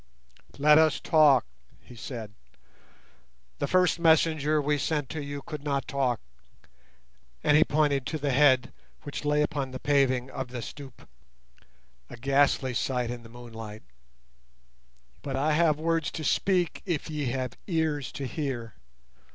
"Let us talk," he said. "The first messenger we sent to you could not talk;" and he pointed to the head which lay upon the paving of the stoep—a ghastly sight in the moonlight; "but I have words to speak if ye have ears to hear.